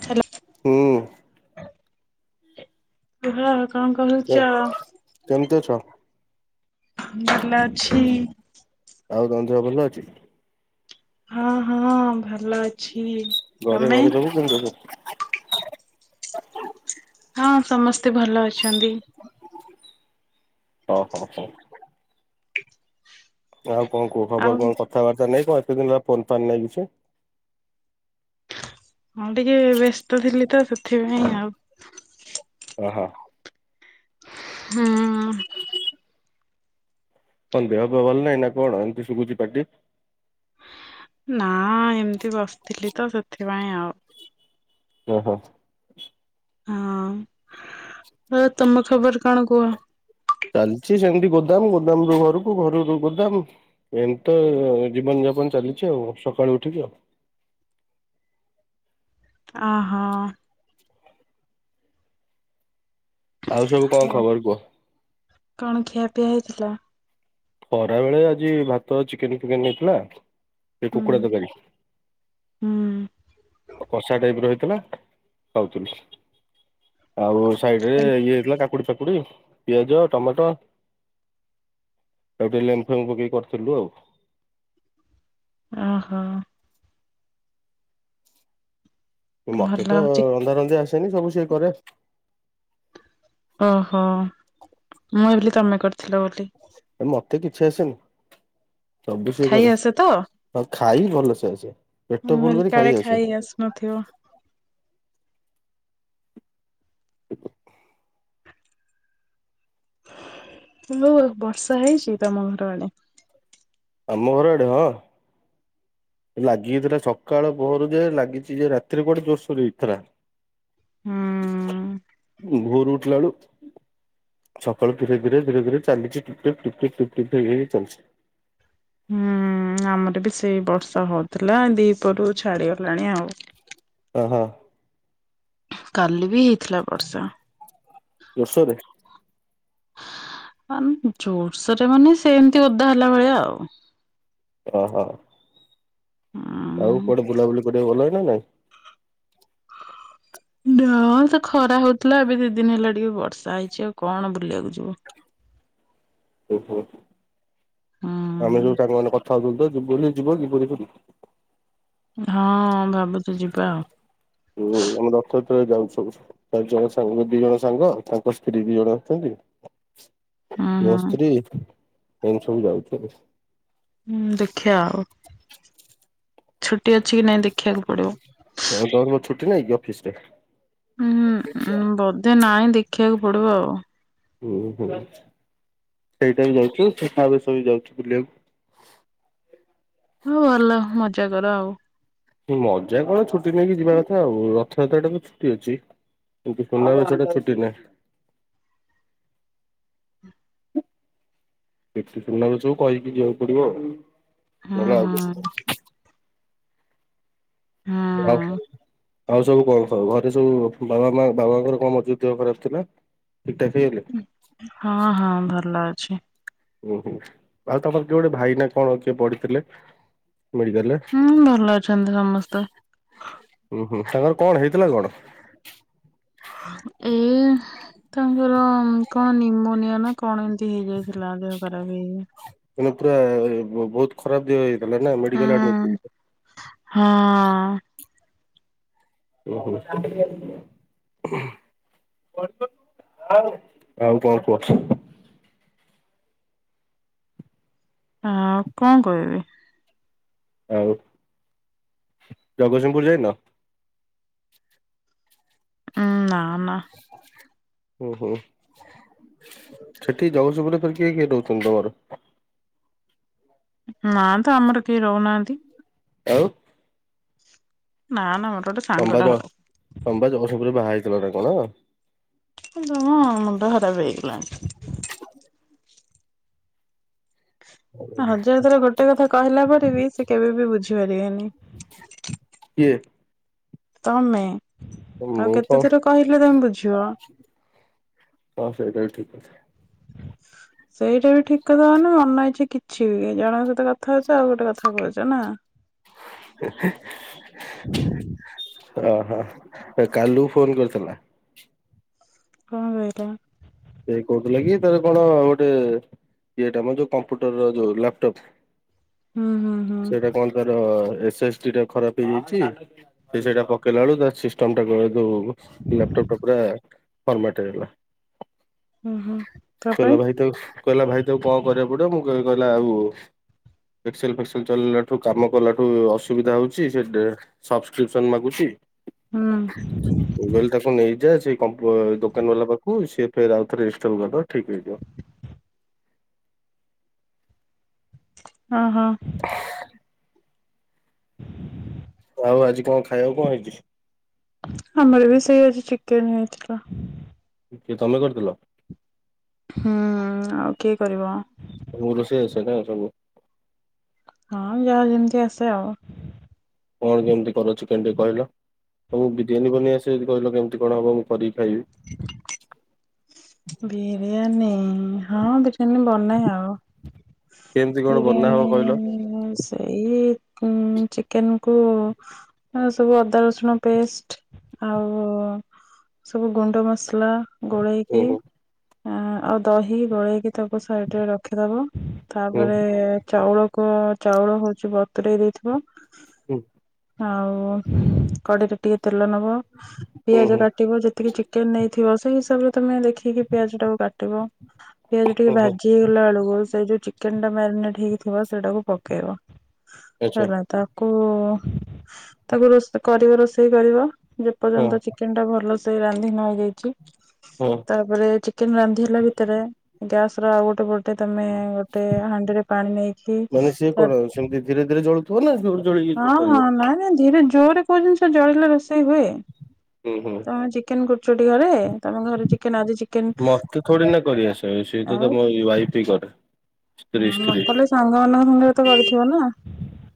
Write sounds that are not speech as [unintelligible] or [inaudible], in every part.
Hello ହୁଁ, କୁହ କଣ କହୁଛ। କେମିତି ଅଛ, ଭଲ ଅଛି ଆଉ କଣ ଦେହ ଭଲ ଅଛି। ହଁ ହଁ ଭଲ ଅଛି, ଘରେ ତମେ ଘରେ ସବୁ କେମିତି ଅଛନ୍ତି। ହଁ ସମସ୍ତେ ଭଲ ଅଛନ୍ତି। ଓହୋ [inaudible] ଆଉ କଣ କୁହ ଖବର ଆଉ କଣ କଥାବାର୍ତ୍ତା ନାଇ କଣ ଏତେ ଦିନ ହେଲା ଫୋନ ଫାନ୍ ନାଇଁ କିଛି। ହଁ ଟିକେ ବ୍ୟସ୍ତ ଥିଲି ତ ସେଥିପାଇଁ ଆଉ। ଓ ହୋ। ହୁଁ, କଣ ଦେହ ପାଆ ଭଲ ନାଇଁ ନା କଣ ଏମିତି ଶୁଗୁଛି ପାର୍ଟି। ନା ଏମିତି ବସିଥିଲି ତ ସେଥିପାଇଁ ଆଉ। ଓହୋଃ। ହଁ ତମ ଖବର କଣ କୁହ। ଚାଲିଛି ସେମିତି ଗୋଦାମ ଗୋଦାମରୁୁ ଘରକୁ ଘରୁ ଗୋଦାମ, ଏମିତିତ ଜୀବନ ଯାପନ ଚାଲିଛି ଆଉ ସକାଳୁ ଉଠିକି ଆଉ ଆଁ ହଁ। ଆଉ ସବୁ କଣ ହଉ। ଖବର କୁହ। କଣ ଖିଆପିଆ ହେଇଥିଲା। ଖରା ବେଳେ ଆଜି ଭାତ, ଚିକେନ, ଫିକେନ ହେଇଥିଲା। ସେ ହୁଁ କୁକୁଡ଼ା ତରକାରୀ ହୁଁ କଷା ଟାଇପ୍ ର ହେଇଥିଲା। ହଉଥିଲି ଆଉ ସାଇଡ ରେ ଇଏ [inaudible] କାକୁଡି, ଫାକୁଡି, ପିଆଜ, ଟମାଟୋ, ଆଉ ଟିକେ ଲେମ୍ବୁ ଫେମ୍ବୁ ପକେଇ କରିଥିଲୁ ଆଉ। ଓହୋଃ। ମତେ ଭଲ ତ ଚି ରନ୍ଧା, ରନ୍ଧି ଆସେନି ସବୁ ସିଏ କରେ, ଓହୋ ମୁଁ ଭାବିଲି ତମେ କରିଥିଲ ବୋଲି, ମତେ କିଛି ଆସେନି ସବୁ ସିଏ ଖାଇ କରେ, ଆସେ ତ? ଆଉ ଖାଇ ଭଲସେ ଆସେ ପେଟ ଭଲ କରି ଖାଇ ଆସ। ନ ଥିବ। [inaudible] ହଉ ଆଉ ବର୍ଷା ହେଇଛି, ତମ ଘର ଆଡେ ଆମ ଘର ଆଡେ ହଁ। ଲାଗିଯାଇଥିଲା ସକାଳ ପୋହରୁ ଯେ ଲାଗିଛି ଯେ ରାତିରେ କୁଆଡ଼େ ଜୋରସୋରରେ ହେଇଥିଲା। ହୁଁ ଭୋରୁ ଉଠିଲା ବେଳୁ, ସକାଳୁ ଧୀରେ ଧୀରେ ଧୀରେ ଧୀରେ ଚାଲିଛି ଟିପ୍ ଟିପ୍ ଟିପ୍ ଟିପ୍ ହେଇ ହେଇ ଚାଲିଛି। ହୁଁ ଆମର ବି ସେଇ ବର୍ଷା, ହଉଥିଲା ଦିପରୁ ଛାଡିଗଲାଣି ଆଉ। ଓହୋ। କାଲି ବି ହେଇଥିଲା ବର୍ଷା। ଜୋରସୋରରେ ଜୋରସରେ ମାନେ ସେମିତି ଓଦା ହେଲା ଭଳିଆ ଆଉ। ଓହୋ। ଉଁ ଆଉ କୁଆଡେ ବୁଲାବୁଲି କରିବାକୁ ଗଲ ନା ନାଇଁ? ନା ତ ଖରା ହଉଥିଲା, ଏବେ ଦି ଦିନ ହେଲା ଟିକେ ବର୍ଷା ହେଇଚି ଆଉ କଣ ବୁଲିବାକୁ ଯିବ। ଓହୋ। ଆମେ ହୁଁ ଯିବୁ ସାଙ୍ଗ ମାନେ କଥା ହଉଥିଲୁ ତ ଯ ବୋଲି ଯିବ ଯିବୁ ବୋଲି। ହଁ ଭାବୁଚୁ ଯିବା ଆଉ। ହୁଁ ଆମେ ରଥଯାତ୍ରରେ ଯାଉଚୁ ସବୁ। ପାଞ୍ଚ ଜଣ ସାଙ୍ଗ ଦି ଜଣ ସାଙ୍ଗ ତାଙ୍କ ସ୍ତ୍ରୀ ଦି ଜଣ ଅଛନ୍ତି। ହୁଁ ମୋ ସ୍ତ୍ରୀ ଏମିତି ସବୁ ଯାଉଚୁ। ହୁଁ ଦେଖିବା ଆଉ ଛୁଟି ଅଛି କି ନାଇଁ ଦେଖିବାକୁ ପଡିବ। ହଁ କୋ ଦିନ ଛୁଟି ନାଇ କି ଅଫିସ ରେ? ହୁଁ ବଧେ ନାହିଁ ଦେଖିବାକୁ ପଡିବ ଆଉ। ଉ ହୁଁ ସେଇଟା ବି ଯାଉଚୁ, ସେଠା ଆବେଶ ବି ଯାଉଚୁ ବୁଲିବାକୁ। ହଁ ଭଲ ମଜା କର ଆଉ। ମଜା କଣ? ଛୁଟି ନେଇକି ଯିବା କଥା ଆଉ ରଥଯାତ୍ରା ଟା ତ ଛୁଟି ଅଛି। କିନ୍ତୁ ସୁନା ବେଶ ଟା ଛୁଟି ନାହିଁ। ଦେଖି ସୁନାବେସବୁ କହିକି ଯିବାକୁ ପଡିବ ହୁଁ ନହେଲେ ଆଉ ହୁଁ କିଛି ନାହିଁ। ହୁଁ। [unintelligible] ଆଉ ସବୁ କଣ ସବୁ ଘରେ ସବୁ ବାବା ମା ବାବାଙ୍କର କଣ ମଝିରେ ଦେହ ଖରାପ ଥିଲା? ଠିକ ଠାକ୍ ହେଇଗଲେ? ହଁ ହଁ ଭଲ ଅଛି। ଉ ହୁଁ। ଆଉ ତମର କିଏ ଗୋଟେ ଭାଇ ନା କଣ କିଏ ପଢିଥିଲେ ମେଡିକାଲରେ? ହୁଁ ଭଲ ଅଛନ୍ତି ସମସ୍ତେ। ହୁଁ ହୁଁ ତାଙ୍କର କଣ ହେଇଥିଲା କଣ? ଏ ତାଙ୍କର କଣ ନିମୋନିଆ ନା କଣ ଏମତି ହେଇଯାଇଥିଲା ଦେହ ଖରାପ ହେ ଏମି ପୁରା ବ ବହୁତ ଖରାପ ଦିହ ହେଇଥିଲା ନା ହୁଁ ମେଡିକାଲରେ ଆଡମିଟ କରିବ। ହଁ। ଉ ହୁଁ। ଆଉ କଣ କୁହ? ଆଉ କଣ କହିବି? ଆଉ ଜଗତସିଂହପୁର ଯାଇନ? ହୁଁ ନା ନା। ଉ ହୁଁ। ସେଠିକି ଜଗତସିଂହପୁରରେ କିଏ କିଏ ରହୁଚନ୍ତି ତମର? ନା ତ ଆମର କେହି ରହୁନାହାନ୍ତି। ଆଉ? ନା ନା ମୋଟେ ଗୋଟେ ତମେ ପା ସାଙ୍ଗଟା ଜ ତମ୍ ପା ଜଗତସିଂପୁରରେ ବାହା ହେଇଥିଲା ନା କଣ? ହେ ତମ ମୁଣ୍ଡ ଖରାପ ହେଇଗଲାଣି। ହଜାର ଥର ଗୋଟେ କଥା କହିଲା ପରେ ବି ସେ କେବେ ବି ବୁଝିପାରିବେନି। କିଏ? ତମେ, ଆଉ ମୁଁ କଣ କେତେଥର କହିଲେ ତମେ ବୁଝିବ? ହଁ ସେଇଟା ବି ଠିକ୍ କଥା। ସେଇଟା ବି ଠିକ୍ କଥା ମାନେ ମନ ଇଛା କିଛି ବି ଜଣଙ୍କ ସହିତ କଥା ହଉଚ ଆଉ ଗୋଟେ କଥା କହୁଚ ନା? ହ ହ ସେ କାଲୁ ଫୋନ୍ କରିଥିଲା। କଣ କହିଲା? ସେ କହୁଥିଲା କି ତାର କଣ ଗୋଟେ ଏଇଟାମ ଯୋଉ କମ୍ପୁଟରର ଯୋଉ ଲାପ୍ଟପ୍। ହୁଁ ହୁଁ ହୁଁ। ସେଇଟା କଣ ତାର ଏସ ଏସ୍ ଟି ଟା ଖରାପ ହେଇଯାଇଚି ସେ ସେଇଟା ପକେଇଲାବେଳୁ ତା ସିଷ୍ଟ୍ ଟମ୍ ଟାକୁ ଯୋଉ ଲାପଟପ୍ ଟା ପୁରା ଫର୍ମାଟ୍ ହେଇଗଲା। ହୁଁ ହୁଁ ତାପରେ କହିଲା ଭାଇ ତାକୁ କହିଲା ଭାଇ ତାକୁ କଣ କରିଆକୁ ପଡିବ ମୁଁ କହିଲି କହିଲା ଆଉ ଏକ୍ସେଲ୍ ଫେକ୍ସେଲ୍ ଚାଲେଇଲାଠୁ କାମ କଲାଠୁ ଅସୁବିଧା ହଉଚି ସେ ଡେ ସବସ୍କ୍ରିପସନ୍ ମାଗୁଚି ହୁଁ। ମୁଁ କହିଲିତାକୁ ନେଇଯା ସେଇ କମ୍ପୁ ଦୋକାନ ବାଲା ପାଖକୁ ସିଏ ଫେରେ ଆଉ ଥରେ ଇଷ୍ଟଲ କରିଦବ ଠିକ ହେଇଯିବ। ଅ ହ। [unintelligible] ଆଉ ଆଜି କଣ ଖାଇଆକୁ କଣ ହେଇଚି? ଆମର ବି ସେଇ ଆଜି ଚିକେନ ହେଇଥିଲା। କିଏ ତମେ କରିଥିଲ? ହୁଁ ଆଉ କିଏ କରିବ? ତମୁକୁ ରୋଷେଇ ଆସେ ନା ସବୁ। ହଁ ଯାହା ଯେମିତି ଆସେ ଆଉ। କଣ କେମିତି କର ଚିକେନ ଟିକେ କହିଲ? ତମୁକୁ ବିରିୟାନୀ ବନେଇ ଆସ ଯଦି କହିଲ କେମିତି କଣ ହବ ମୁଁ କରିକି ଖାଇବି। [unintelligible] ବିରିୟାନି ହଁ ବିରିୟାନୀ ବନାଏ ଆଉ। କେମିତି କଣ ବନା ହବ ବିରିୟାନୀ କହିଲ? ସ ଏଇ କଁ ଚିକେନ କୁ ଆଉ ସବୁ ଅଦା ରସୁଣ ପେଷ୍ଟ ଆଉ ସବୁ ଗୁଣ୍ଡ ମସଲା ଗୋଲେଇ ଇ ହୁଁ ହୁଁ ଆଉ ଦହି ଗୋଳେଇକି ତାକୁ ସାଇଟିରେ ରଖିଦବ। ହୁଁ ତାପରେ ଚାଉଳକୁ ଚାଉଳ ହଉଚି ବତରେଇ ଦେଇଥିବ। ହୁଁ। ଆଉ କଡେଇରେ ଟିକେ ତେଲ ନବ ହୁଁ ପିଆଜ କାଟି ହୁଁ ଟିବ ଯେତିକି ଚିକେନ ନେଇଥିବ ସେଇ ହିସାବରେ ତମେ ଦେଖିକି ପିଆଜଟାକୁ କାଟିବ। ପିଆଜ ଟିକେ ହୁଁ ହୁଁ ଭାଜି ହେଇଗଲା ବେଳୁକୁ ସେ ଯୋଉ ଚିକେନ୍ ଟା ମ୍ୟାରିନେଟ୍ ହେଇକି ଥିବ ସେଇଟାକୁ ପକେଇବ। ଆଚ୍ଛା ହେଲା ତ ତାକୁ ତାକୁ ରୋଷେ କରିବ ରୋଷେଇ କରିବ ହଁ ଯେପର୍ଯ୍ୟନ୍ତ ଚି କେନ୍ ଟା ଭଲସେ ରାନ୍ଧି ନହେଇଯାଇଚି। ହୁଁ। ତାପରେ ଚିକେନ୍ ରାନ୍ଧିହେଲା ଭିତରେ ଗ୍ୟାସର ଆଉ ଗୋଟେ ପ ଟେ ତମେ ଗୋଟେ ହାଣ୍ଡିରେ ପାଣି ନେଇକି ମାନେ ସିଏ କଣ ଆଉ ସେମତି ଧୀରେ ଧୀରେ ଜଳୁ [unintelligible] ହଁ ହଁ ନାଇଁ ନାଇଁ ଧୀରେ ଜୋରରେ କଉ ଜିନିଷ ଜଳିଲେ ରୋଷେଇ ହୁଏ? ହୁଁ ହୁଁ ତମେ ଚିକେନ କରୁଛ ଟି ଘରେ ତମ ଘରେ ଚିକେନ ଆଜି ଚିକେନ। ଏଁ ସେ ତ ତମ ଇଏ ୱାଇଫି କରେ। ସ୍ତ୍ରୀ ହଁ ନ ସ୍ତ୍ରୀ କଲେ ସାଙ୍ଗମାନଙ୍କ ସାଙ୍ଗରେ ତ କରିଥିବ ନା?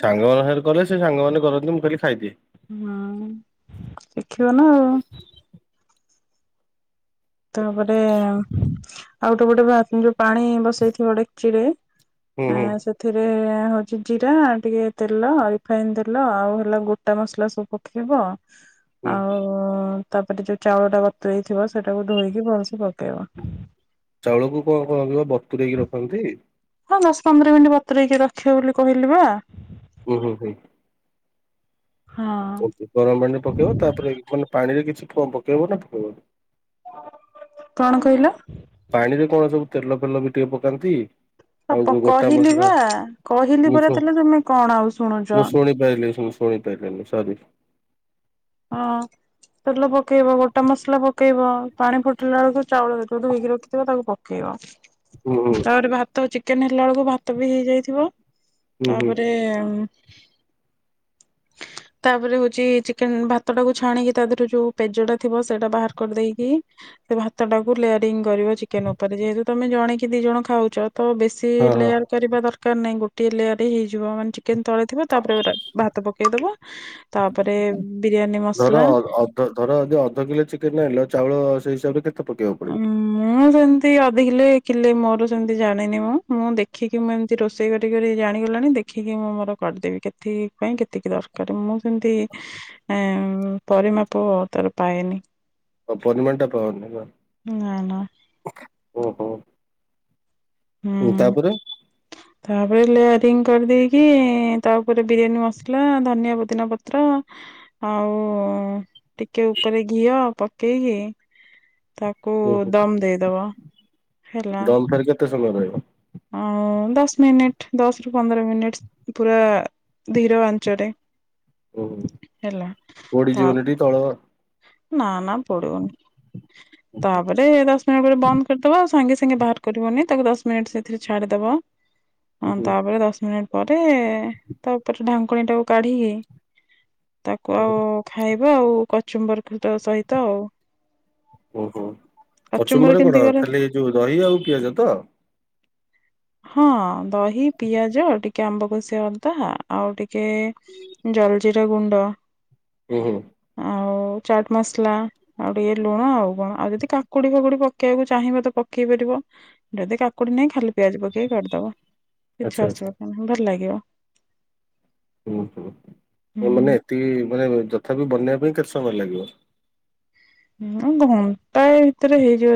ସାଙ୍ଗ ମାନ ସାଙ୍ଗରେ କଲେ ସେ ସାଙ୍ଗ ମାନେ କରନ୍ତି ମୁଁ ଖାଲି ଖାଇଦିଏ। ହଁ ଶିଖିବ ନା। ଆଉ ତାପରେ ଆଉ ଗୋଟେ ପଟେ ଯୋଉ ପାଣି ବସେଇଥିବ ଡେକିଚିରେ। ହୁଁ ହୁଁ ଆଁ ସେତ ଏଥିରେ ହଉଛି ଜିରା ଟିକେ ତେଲ ରିଫାଇନ୍ ତେଲ ଆଉ ହେଲା ଗୋଟା ମସଲା ସବୁ ପକେଇବ। ହୁଁ ଆଉ ତାପରେ ଯୋଉ ଚାଉଳ ଟା ବତୁରେଇ ଥିବ ସେଟାକୁ ଧୋଇକି ଭଲସେ ପକେଇବ। ଚାଉଳକୁ କଣ କରନ୍ତି ବା ବତୁରେଇକି ରଖନ୍ତି। ହଁ ଦଶ ପନ୍ଦର ମିନିଟ୍ ବତୁରେଇକି ରଖିବ ବୋଲି କହିଲି ବା। ହୁଁ ହୁଁ ହୁଁ। ହଁ କୁହନ୍ତୁ ଗରମ ପାଣିରେ ପକେଇବ ତାପରେ ମାନେ ପାଣିରେ କିଛି ପ ପକେଇବ ନା ପକେଇବନି? କଣ କହିଲ? ପାଣିରେ କଣ ସବୁ ତେଲ ଫେଲ ବି ଟିକେ ପକାନ୍ତି। ଆ ଆଉ ପ ଗୋଟା କହିଲି ମସଲା ବା କହିଲି ମିଛ ପରା ତେଲ ତମେ କଣ ଆଉ ଶୁଣୁଚ। [unintelligible] ମୁଁ ଶୁଣି ପାରିଲିନି ସରି। ହଁ ତେଲ ପକେଇବ ଗୋଟା ମସଲା ପକେଇବ। ପାଣି ଫୁଟିଲା ବୁଳୁକୁ ଚାଉଳରାକୁ ଧୋଇକି ରଖିଥିବ ତାକୁ ପକେଇବ। ହୁଁ। ତାପରେ ଭାତ ଚିକେନ ହେଲା ବୁଳୁକୁ ଭାତ ବି ହେଇଯାଇଥିବ ହୁଁ ହୁଁ। ତାପରେ ଉଁ। ତାପରେ ହଉଛି ଚି ଭାତ ଟାକୁ ଛାଣିକି ତା ଦେହରୁ ଯୋଉ ପେଜ ଟା ଥିବ ସେଟା ବାହାର କରିଦେଇକି ସେ ଭା ଟାକୁ ଲେୟାରିଙ୍ଗ କରିବ ଚିକେନ ଉପରେ ଯେହେତୁ ତମେ ଜଣେ କିି ଦି ଜଣ ଖାଉଛ ତ ବେଶୀ ହଁ ହଁ ଲେୟାର କରିବା ଦରକାର ନାହିଁ ଗୋଟଏ ଲେୟରେ ହେଇଯିବ ମାନେ ଚି ଚିକେନ୍ ତଳେ ଥିବ ତାପରେ ଗୁରା ଭାତ ପକେଇଦବ ତାପରେ। ବିରିୟାନୀ ଧର ମସଲା ଅ ଧର ଯଦି ଅଧ କିଲୋ ଚିକେନ ଆଣିଲ ଚାଉଳ ସେଇ ହିସାବରେ କେତେ ପକେଇବାକୁ ପଡିବ? ମୁଁ ସେମିତି ଅଧ କିଲୋ କିଲେ ମୋର ସେମିତି ଜାଣିନି ମୁଁ ମୁଁ ଦେଖିକି ମୁଁ ଏମିତି ରୋଷେଇ କରି କରି ଜାଣିଗଲାଣିି ଦେ ଦେଖିକି ମୁଁ ମୋର କରିଦେବି କେଥିପାଇଁ କେତିକି ଦରକାର ମୁଁ ସେମିତି। ଏମ୍ ପରିମାପ ତାର ପାଏନି। ଆଉ ପରିମାଣଟା ପାଅନି ନା। ନା ନା। ଉଁ ହୁଁ ହୁଁ ତାପରେ ତାପରେ ଲେୟାରିଙ୍ଗ କରିଦେଇକି। ତା ଉପରେ ବିରିୟାନୀ ମସଲା ଧନିଆ ପୋଦିନା ପତ୍ର। ଆଉ ଟିକେ ଉପରେ ଘିଅ ପକେଇକି ତା କୁ ଦମ୍ ଦେଇଦବ। ହେଲା ଦମ ଫେରେ କେତେ ସମୟ ରହିବ? ଆଉ ଦଶ ମିନିଟ ଦଶ ରୁ ପନ୍ଦର ମିନିଟ ପୁରା ଧୀର ଆଞ୍ଚରେ। ଉଁ ହୁଁ ହେଲା ପୋଡ଼ି ତା ଯିବନିଟି ତଳ। ନା ନା ପଡିବନି। [unintelligible] ତାପରେ ଦଶ ମିନିଟ୍ ପରେ ବନ୍ଦ କରିଦବ ଆଉ ସାଙ୍ଗେ ସାଙ୍ଗେ ବାହାର କରିବନି ତାକୁ ଦଶ ମିନିଟ୍ ସେଥିରେ ଛାଡ଼ିଦବ। [unintelligible] ହଁ ତାପରେ ଦଶ ମିନିଟ ପରେ ତା ଉପରେ ଢାଙ୍କୁଣୀ ଟାକୁ କାଢିକି ତାକୁ ଆଉ ଖାଇବ ଆଉ କଚୁମ୍ବର ସହିତ ଆଉ। ଓହୋ କଚୁମ୍ବର କଚୁମ୍ବରେ କେମିତି କଣ କରନ୍ତି ଖାଲି ଏ ଯୋଉ ଦହି ଆଉ ପିଆଜ ତ। ହଁ ଦହି ପିଆଜ ଟିକେ ଆମ୍ବ କଷି ଅଦା ଆଉ ଟିକେ ଜଲଜିିରା ଗୁଣ୍ଡ। ଉଁ ହୁଁ। ଆଉ ଚାଟ ମସଲା। ଆଉ ଟିକେ ଲୁଣ ଆଉ କଣ ଆଉ ଯଦି କାକୁଡି ଫାକୁଡି ପକେଇବାକୁ ଚାହିଁବ ତ ପକେଇ ପାରିବ। ଯଦି କାକୁଡି ନାଇ ଖାଲି ପିଆଜ ପକେଇ କାଟିଦବ ଆଚ୍ଛା କିଛି ଆଚ୍ଛା ଅସୁବିଧା ନାଇଁ ଭଲ ଲାଗିବ। ହୁଁ ହୁଁ ମାନେ ଏତିକି ମାନେ ଯଥାପି ବନେଇବା ପାଇଁ କେତେ ସମୟ ଲାଗିବ? ହଁ ଘଣ୍ଟା ଏ ଭିତରେ ହେଇଯିବ।